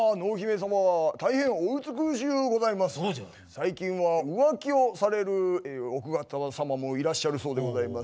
最近は浮気をされる奥方様もいらっしゃるそうでございます。